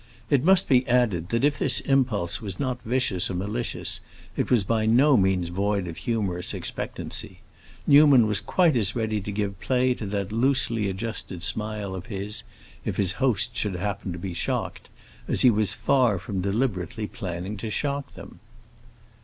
It must be added that if this impulse was not vicious or malicious, it was by no means void of humorous expectancy. Newman was quite as ready to give play to that loosely adjusted smile of his, if his hosts should happen to be shocked, as he was far from deliberately planning to shock them.